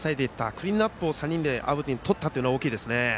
クリーンナップを３人でアウトにとったのは大きいですね。